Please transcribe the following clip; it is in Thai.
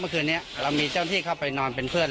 เมื่อคืนนี้เรามีเจ้าหน้าที่เข้าไปนอนเป็นเพื่อน